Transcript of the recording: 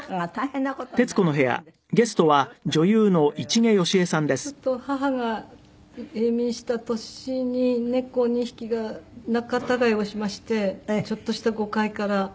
ちょっと母が永眠した年に猫２匹が仲違いをしましてちょっとした誤解から。